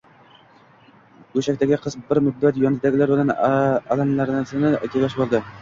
Go`shakdagi qiz bir muddat yonidagilar bilan alalanarsalarni gaplashib oldi